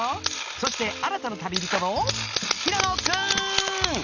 そして新たな旅人の平野くん！